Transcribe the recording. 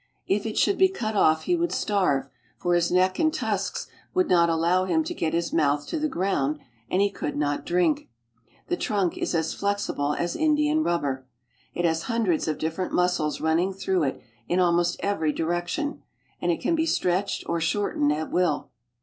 If it should be cut off he would starve, for his neck and tusks would not allow him to get his mouth to the ground, and he could not drink. The trunk is as flexible as india rubber. It has hundreds of different Lfnuscles running through it in almost every direction, and J^ can be stretched or shortened at will.'